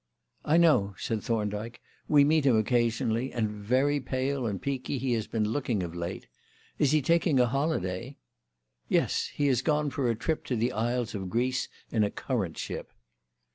"I know," said Thorndyke; "we meet him occasionally, and very pale and peaky he has been looking of late. Is he taking a holiday?" "Yes. He has gone for a trip to the Isles of Greece in a currant ship."